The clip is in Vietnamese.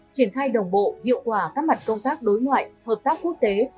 triển khai đồng bộ hiệu quả các mặt công tác đối ngoại hợp tác quốc tế